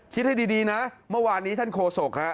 คิดให้ดีนะเมื่อวานนี้ท่านโฆษกฮะ